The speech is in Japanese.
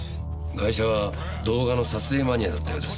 ガイシャは動画の撮影マニアだったようです。